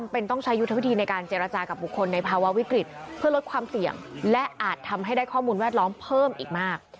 เพื่อลดความเสี่ยงและอาจทำให้ได้ข้อมูลแวดล้อมเพิ่มอีกมาก